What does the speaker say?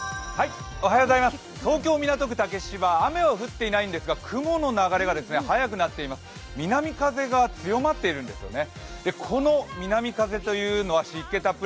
東京・港区竹芝雨は降っていないんですが雲の流れが速くなっています、南風が強まっているんですね。